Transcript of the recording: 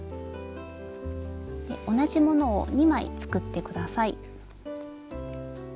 同じものを２枚作って下さい。